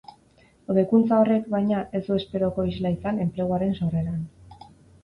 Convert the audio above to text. Hobekuntza horrek, baina, ez du esperoko isla izan enpleguaren sorreran.